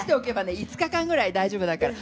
５日間ぐらい大丈夫だから。